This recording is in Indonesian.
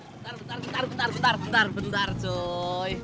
bentar bentar bentar bentar bentar bentar cuy